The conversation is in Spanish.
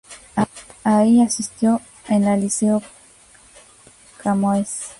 Allí, asistió a la Liceo Camões.